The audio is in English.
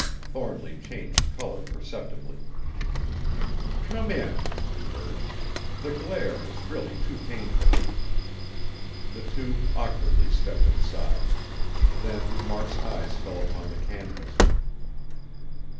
Thornly changed color perceptibly. "Come in," he urged, "the glare is really too painful." The two awkwardly stepped inside. Then Mark's eyes fell upon the canvas.